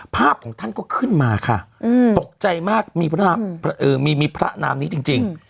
ภาพของท่านก็ขึ้นมาค่ะตกใจมากมีพระนามนี้จริง